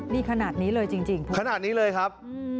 นี่ขนาดนี้เลยจริงขนาดนี้เลยครับ